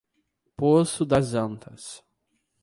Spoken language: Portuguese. Poço das Antas